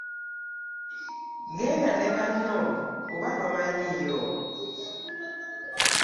Genda ne banno kuba tomanyiiyo.